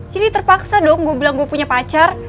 jadi terpaksa dong gue bilang gue punya pacar